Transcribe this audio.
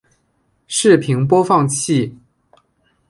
视频播放器